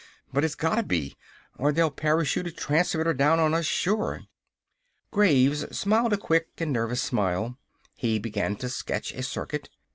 But it's gotta be! Or they'll parachute a transmitter down on us sure." Graves smiled a quick and nervous smile. He began to sketch a circuit.